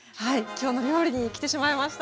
「きょうの料理」に来てしまいました。